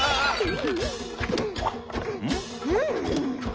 うん！